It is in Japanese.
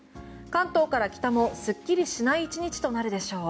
関東から北もすっきりしない１日となるでしょう。